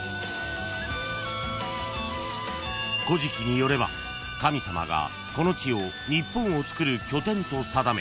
［『古事記』によれば神様がこの地を日本をつくる拠点と定め